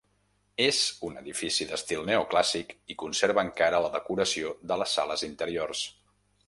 És un edifici d'estil neoclàssic i conserva encara la decoració de les sales interiors.